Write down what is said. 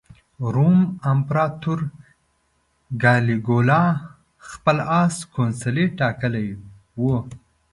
روم امپراطور کالیګولا خپل اس کونسلي ټاکلی و.